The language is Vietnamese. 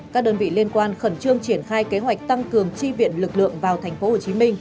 các đơn vị liên quan khẩn trương triển khai kế hoạch tăng cường chi viện lực lượng vào tp hcm